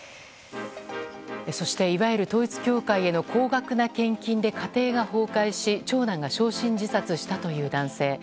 そして、いわゆる統一教会への高額な献金で家庭が崩壊し、長男が焼身自殺したという男性。